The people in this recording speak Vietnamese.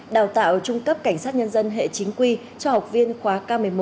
đào tạo trung cấp cảnh sát nhân dân hệ chính quy cho học viên khóa k một mươi một